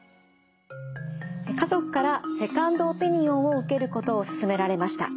「家族からセカンドオピニオンを受けることを勧められました。